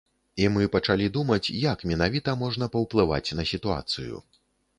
І мы пачалі думаць, як менавіта можна паўплываць на сітуацыю.